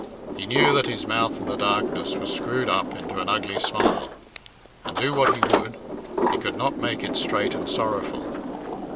He knew that his mouth in the darkness was screwed up into an ugly smile, and, do what he would; he could not make it straight and sorrowful.